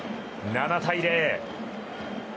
７対０。